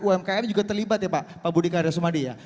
umkm juga terlibat ya pak budi karya sumadi ya